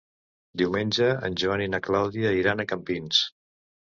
Diumenge en Joan i na Clàudia iran a Campins.